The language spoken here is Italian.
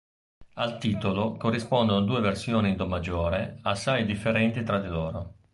Al titolo corrispondono due versioni in do maggiore assai differenti tra di loro.